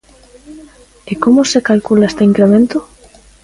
¿E como se calcula este incremento?